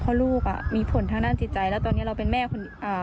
เพราะลูกอ่ะมีผลทางด้านจิตใจแล้วตอนนี้เราเป็นแม่คนอ่า